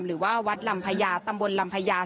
หรือว่าวัดลำพญาตำบลลำพญา